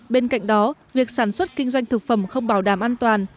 bên cạnh đó việc sản xuất kinh doanh thực phẩm không bảo đảm an toàn